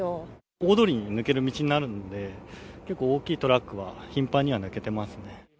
大通りに抜ける道になるので、結構大きいトラックは、頻繁には抜けてますね。